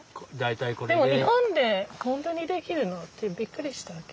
でも日本で本当に出来るのってびっくりした訳。